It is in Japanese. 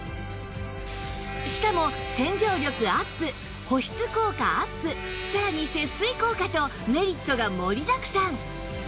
しかも洗浄力アップ保湿効果アップさらに節水効果とメリットが盛りだくさん！